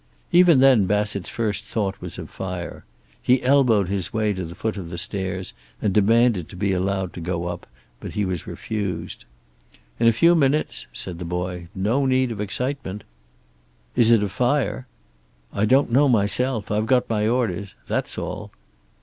Even then Bassett's first thought was of fire. He elbowed his way to the foot of the stairs, and demanded to be allowed to go up, but he was refused. "In a few minutes," said the boy. "No need of excitement." "Is it a fire?" "I don't know myself. I've got my orders. That's all."